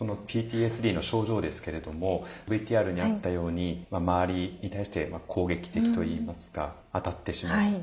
そのＰＴＳＤの症状ですけれどもＶＴＲにあったように周りに対して攻撃的といいますか当たってしまう。